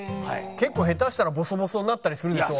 結構下手したらボソボソになったりするでしょ。